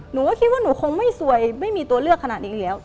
หนูก็คิดว่าหนูคงไม่สวยไม่มีตัวเลือกขนาดนี้อีกแล้ว